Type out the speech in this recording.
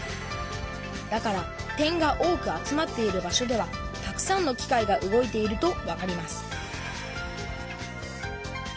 だから点が多く集まっている場所ではたくさんの機械が動いているとわかります